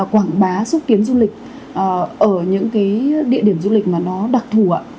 quảng bá xuất kiến du lịch ở những cái địa điểm du lịch mà nó đặc thù ạ